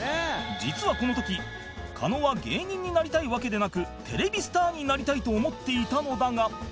実はこの時狩野は芸人になりたいわけでなくテレビスターになりたいと思っていたのだが